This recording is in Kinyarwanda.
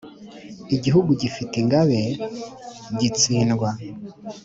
igihugu gifite ingabe, gitsindwa